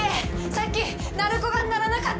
さっき鳴子が鳴らなかった？